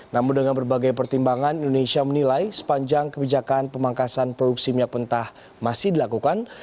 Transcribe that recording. namun dengan berbagai pertimbangan indonesia menilai sepanjang kebijakan pemangkasan produksi minyak mentah masih dilakukan